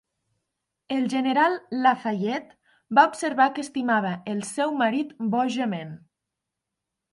El general Lafayette va observar que estimava "el seu marit bojament".